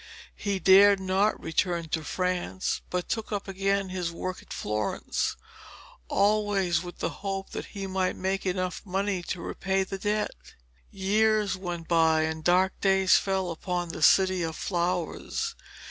He dared not return to France, but took up again his work in Florence, always with the hope that he might make enough money to repay the debt. Years went by and dark days fell upon the City of Flowers.